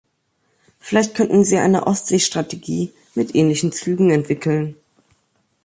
Vielleicht könnten sie eine Ostseestrategie mit ähnlichen Zügen entwickeln.